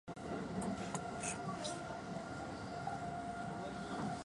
ここにいるよ